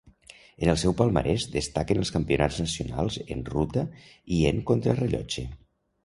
En el seu palmarès destaquen els Campionats nacionals en ruta i en contrarellotge.